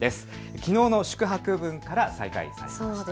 きのうの宿泊分から再開されました。